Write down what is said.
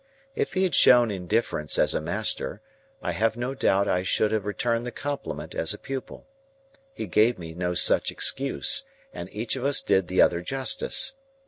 If he had shown indifference as a master, I have no doubt I should have returned the compliment as a pupil; he gave me no such excuse, and each of us did the other justice.